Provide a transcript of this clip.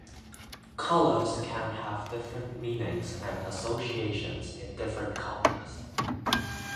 Colors can have different meanings and associations in different cultures.